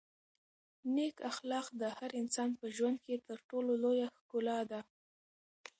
نېک اخلاق د هر انسان په ژوند کې تر ټولو لویه ښکلا ده.